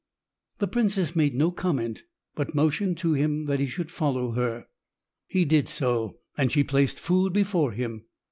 The princess made no comment, but motioned to him that he should follow her. He did so and she placed food before him.